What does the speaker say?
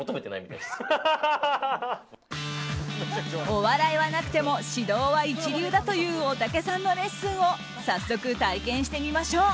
お笑いはなくても指導は一流だというおたけさんのレッスンを早速、体験してみましょう。